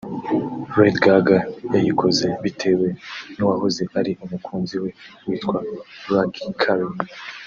Lady Gaga yayikoze bitewe n’uwahoze ari umukunzi we witwa Luc Carl